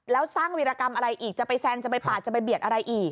แล้วสร้างวีรกรรมอะไรอีกจะไปแซงจะไปปาดจะไปเบียดอะไรอีก